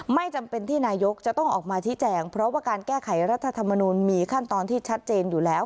ไม่จำเป็นที่นายกจะต้องออกมาชี้แจงเพราะว่าการแก้ไขรัฐธรรมนุนมีขั้นตอนที่ชัดเจนอยู่แล้ว